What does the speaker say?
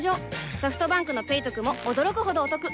ソフトバンクの「ペイトク」も驚くほどおトク